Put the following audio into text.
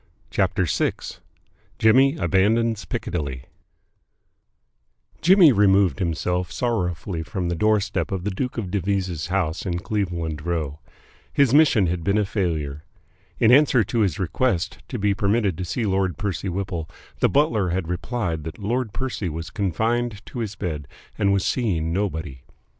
CHAPTER VI JIMMY ABANDONS PICCADILLY Jimmy removed himself sorrowfully from the doorstep of the Duke of Devizes' house in Cleveland Row. His mission had been a failure. In answer to his request to be permitted to see Lord Percy Whipple, the butler had replied that Lord Percy was confined to his bed and was seeing nobody.